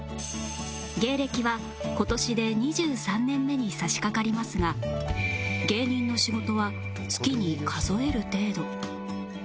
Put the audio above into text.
芸歴は今年で２３年目に差しかかりますが芸人の仕事は月に数える程度